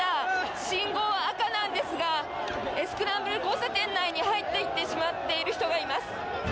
信号は赤なんですがスクランブル交差点内に入っていってしまっている人がいます。